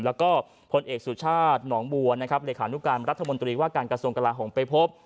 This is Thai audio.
แล้วก็พลเอกสุชาติหนองบัวนะครับเลขานุการรัฐมนตรีว่าการกระทรวงกลาโหมไปพบ